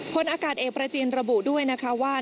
พลอากาศเอกประจินระบุด้วยนะคะว่า